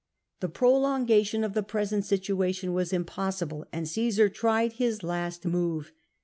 The prolongation of the present situa tion was impossible, and Cmsar tried his last move.